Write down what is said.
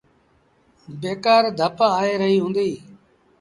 بيڪآر ڌپ آئي رهيٚ هُݩديٚ۔